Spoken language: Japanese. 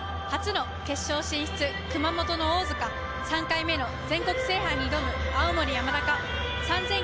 初の決勝進出、熊本の大津か、３回目の全国制覇に挑む青森山田か。